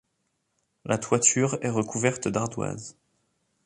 La toiture est recouverte d'ardoise.